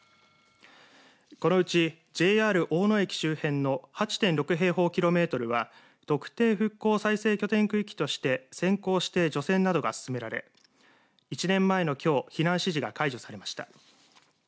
このうちＪＲ大野駅周辺の８．６平方キロメートルは特定復興再生拠点区域として先行して除染などが進められ１年前のきょう避難指示が解除されました。